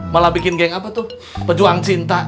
malah bikin geng apa tuh pejuang cinta